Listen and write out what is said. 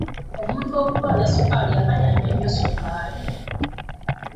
Omuntu okulwala ssukaali aba yanywa nnyo ssukaali?